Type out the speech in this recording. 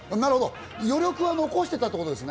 余力は残してたってことですね。